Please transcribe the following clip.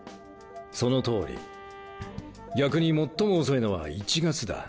その通り逆に最も遅いのは１月だ。